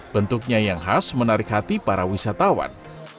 bentuknya yang khas menarik hati para wisatawan